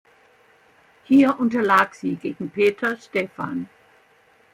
Hier unterlag sie gegen Peter Stephan.